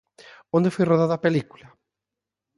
Onde foi rodada a película?